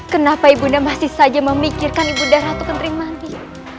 kenapa ibu nda masih saja memikirkan ibu nda ratu kentri manik